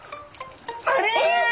あれ！？